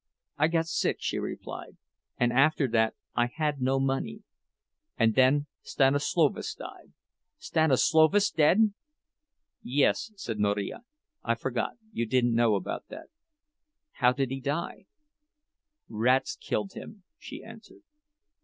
"I got sick," she replied, "and after that I had no money. And then Stanislovas died—" "Stanislovas dead!" "Yes," said Marija, "I forgot. You didn't know about it." "How did he die?" "Rats killed him," she answered.